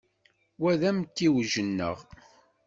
Wa d amtiweg-nneɣ.